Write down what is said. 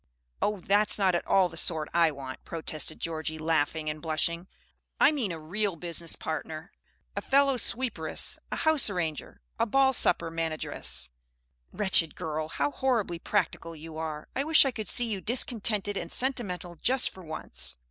"Oh, that's not at all the sort I want," protested Georgie, laughing and blushing. "I mean a real business partner, a fellow sweeperess and house arranger and ball supper manageress!" "Wretched girl, how horribly practical you are! I wish I could see you discontented and sentimental just for once!"